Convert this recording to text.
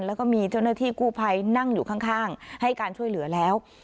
แล้วก็มีเจ้าหน้าที่กู้ภัยนั่งอยู่ข้างให้การช่วยเหลือแล้ว